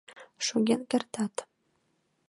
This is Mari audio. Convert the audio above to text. Шоген кертат.